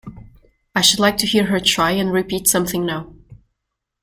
‘I should like to hear her try and repeat something now.